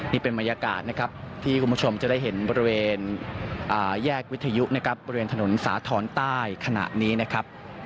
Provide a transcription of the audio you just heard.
นี่เป็นบรรยากาศนะครับที่คุณผู้ชมจะได้เห็นบริเวณแยกวิทยุนะครับบริเวณถนนสาธรณ์ใต้ขณะนี้นะครับ